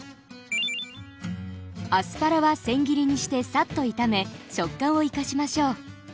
アスパラはせん切りにしてサッと炒め食感を生かしましょう。